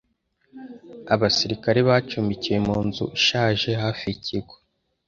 Abasirikare bacumbikiwe mu nzu ishaje hafi yikigo.